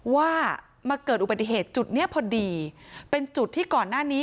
ว่ามาเกิดอุบัติเหตุจุดเนี้ยพอดีเป็นจุดที่ก่อนหน้านี้